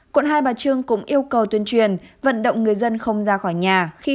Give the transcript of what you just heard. quận hai bà trưng cũng yêu cầu tuyên truyền vận động người dân không ra khỏi nhà khi